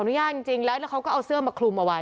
ญาตจริงแล้วแล้วเขาก็เอาเสื้อมาคลุมเอาไว้